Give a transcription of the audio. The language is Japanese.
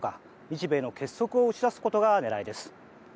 日米の結束を打ち出すことが狙いです。